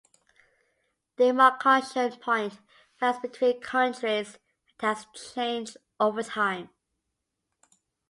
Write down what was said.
The demarcation point varies between countries and has changed over time.